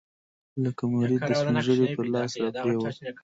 لکه مريد د سپينږيري په لاس راپرېوت.